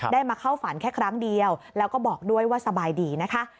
มาเข้าฝันแค่ครั้งเดียวแล้วก็บอกด้วยว่าสบายดีนะคะ